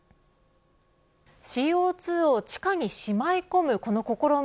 ＣＯ２を地下にしまい込むこの試み